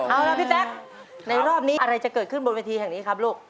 เอาล่ะพี่แจ๊คในรอบนี้อะไรจะเกิดขึ้นบนเวทีแห่งนี้ครับลูก